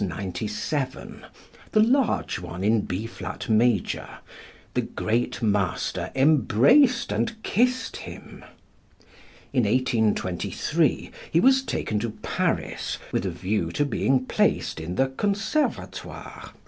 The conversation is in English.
97 (the large one in B flat major), the great master embraced and kissed him. In 1823 he was taken to Paris with a view to being placed in the Conservatoire.